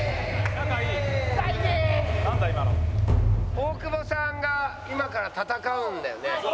大久保さんが今から戦うんだよね。